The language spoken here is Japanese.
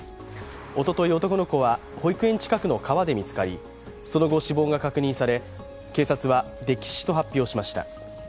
おととい、男の子は保育園近くの川で見つかり、その後、死亡が確認され警察は溺死と発表しました。